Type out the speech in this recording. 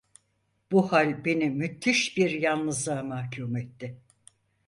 Bu hal beni müthiş bir yalnızlığa mahkûm etti.